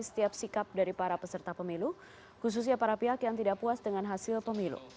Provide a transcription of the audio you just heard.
setiap sikap dari para peserta pemilu khususnya para pihak yang tidak puas dengan hasil pemilu